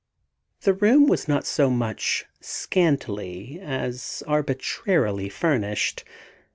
The room was not so much scantily as arbitrarily furnished.